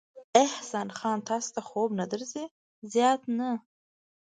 احسان خان، تاسې ته خوب نه درځي؟ زیات نه.